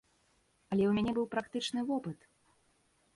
Але ў мяне быў практычны вопыт!